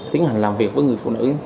tiến hành làm việc với người phụ nữ